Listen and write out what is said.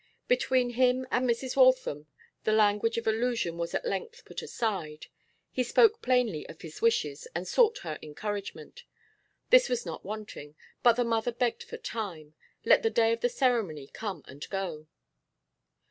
Between him and Mrs. Waltham the language of allusion was at length put aside; he spoke plainly of his wishes, and sought her encouragement. This was not wanting, but the mother begged for time. Let the day of the ceremony come and go.